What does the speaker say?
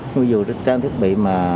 nhưng mà dù trang thiết bị mà